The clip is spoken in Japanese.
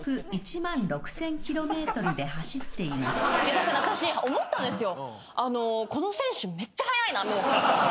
だから私思ったんですよ。